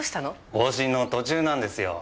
往診の途中なんですよ。